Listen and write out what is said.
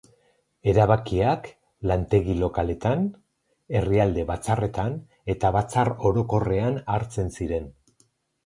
Erabakiak lantegi lokaletan, herrialde batzarretan eta batzar Orokorrean hartzen ziren.